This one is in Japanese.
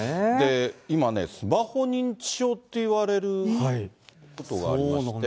今ね、スマホ認知症っていわれることがありまして。